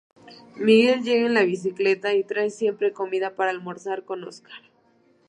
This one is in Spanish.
Miguel llega en bicicleta y trae siempre comida para almorzar con Óscar.